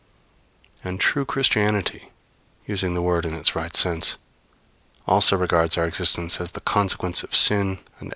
And true Christianity using the word in its right sense also regards our existence as the consequence of sin and error.